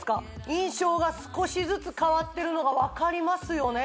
印象が少しずつ変わってるのが分かりますよね